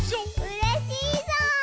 うれしいぞう！